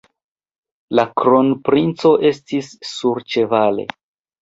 La kronprinco estis surĉevale.